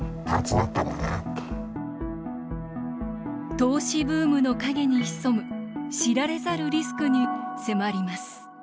投資ブームの陰に潜む知られざるリスクに迫ります